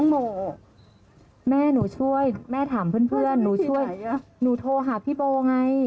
โมแม่หนูช่วยแม่ถามเพื่อนหนูช่วยหนูโทรหาพี่โบไง